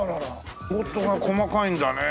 仕事が細かいんだねえ。